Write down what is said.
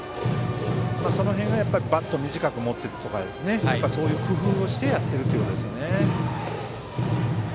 その辺がバットを短く持ってとか工夫をしてやっているということですね。